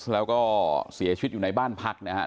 แล้วก็เสียชีวิตอยู่ในบ้านพักนะครับ